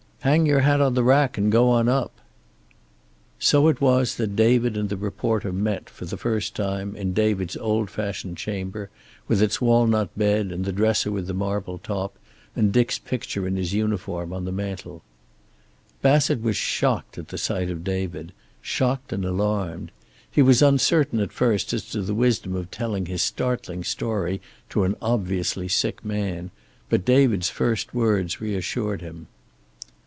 "Hang your hat on the rack and go on up." So it was that David and the reporter met, for the first time, in David's old fashioned chamber, with its walnut bed and the dresser with the marble top, and Dick's picture in his uniform on the mantle. Bassett was shocked at the sight of David, shocked and alarmed. He was uncertain at first as to the wisdom of telling his startling story to an obviously sick man, but David's first words reassured him.